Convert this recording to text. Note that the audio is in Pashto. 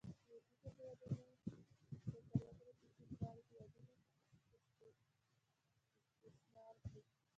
لویدیځو هیوادونو فکر وکړو چې چین غواړي هیوادونه استثمار کړي.